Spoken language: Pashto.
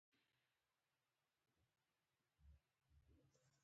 جانداد د وقار خاوند دی.